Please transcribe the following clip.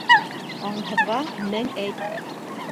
Аңһыҙға мең әйт.